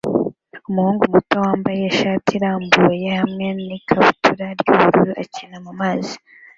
Umuhungu muto wambaye ishati irambuye hamwe n'ikabutura y'ubururu akina mumazi